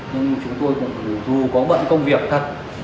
nhưng chúng tôi cũng dù có bận công việc thật